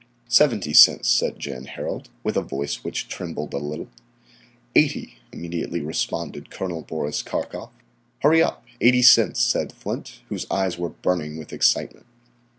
"Seventy cents," said Jan Harald, with a voice which trembled a little. "Eighty," immediately responded Col. Boris Karkof. "Hurry up, 80 cents," said Flint, whose eyes were burning with excitement.